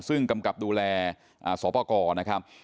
ซึ่งกำกับดูแลสอปกรนะครับ